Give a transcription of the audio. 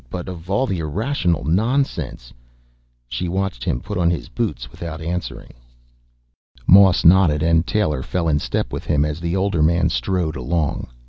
But of all the irrational nonsense " She watched him put on his boots without answering. Moss nodded and Taylor fell in step with him, as the older man strode along.